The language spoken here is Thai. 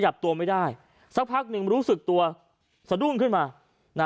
จับตัวไม่ได้สักพักหนึ่งรู้สึกตัวสะดุ้งขึ้นมานะ